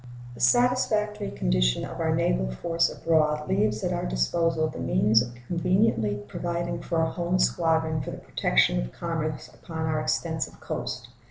The satisfactory condition of our naval force abroad leaves at our disposal the means of conveniently providing for a home squadron for the protection of commerce upon our extensive coast.